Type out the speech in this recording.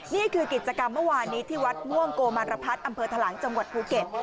นี่คือกิจกรรมเมื่อวานนี้ที่วัดม่วงโกมารพัฒน์อำเภอทะลังจังหวัดภูเก็ต